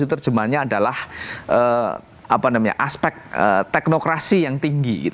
terjemahnya adalah aspek teknokrasi yang tinggi